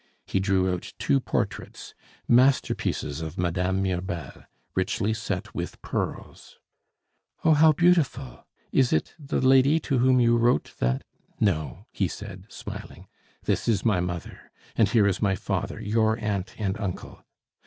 He drew out two portraits, masterpieces of Madame Mirbel, richly set with pearls. "Oh, how beautiful! Is it the lady to whom you wrote that " "No," he said, smiling; "this is my mother, and here is my father, your aunt and uncle.